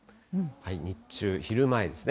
日中、昼前ですね。